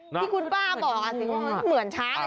ที่คุณป้าบอกสิว่าเหมือนช้างเลย